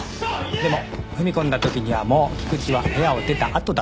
でも踏み込んだ時にはもう菊池は部屋を出たあとだった。